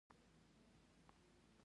د دې هېوادونو ترمنځ د پاموړ توپیرونه شته.